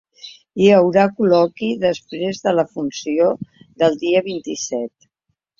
Hi haurà col·loqui després de la funció del dia vint-i-set.